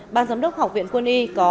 ban giám đốc học viện quân sự trung ương